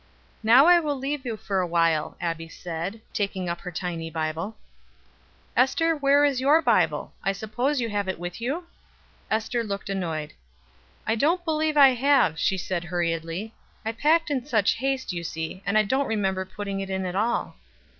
"Now I will leave you for a little," Abbie said, taking up her tiny Bible. "Ester, where is your Bible? I suppose you have it with you?" Ester looked annoyed. "I don't believe I have," she said hurriedly. "I packed in such haste, you see, and I don't remember putting it in at all."